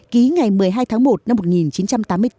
ký ngày một mươi hai tháng một năm một nghìn chín trăm tám mươi bốn